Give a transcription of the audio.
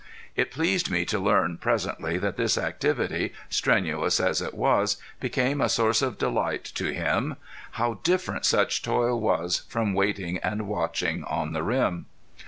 It pleased me to learn, presently, that this activity, strenuous as it was, became a source of delight to him. How different such toil was from waiting and watching on the rim!